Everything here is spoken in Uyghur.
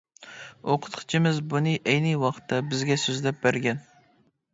ئوقۇتقۇچىمىز بۇنى ئەينى ۋاقىتتا بىزگە سۆزلەپ بەرگەن.